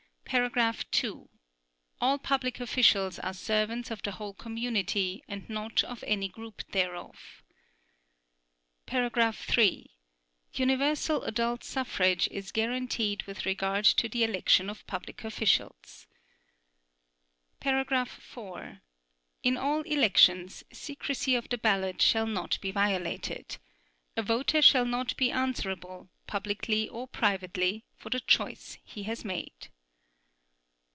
(2) All public officials are servants of the whole community and not of any group thereof. (3) Universal adult suffrage is guaranteed with regard to the election of public officials. (4) In all elections, secrecy of the ballot shall not be violated. A voter shall not be answerable, publicly or privately, for the choice he has made.